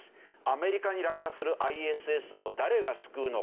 「アメリカに落下するＩＳＳを誰が救うのか」